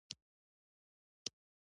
مانا د ژوند د ژورتیا نښه ده.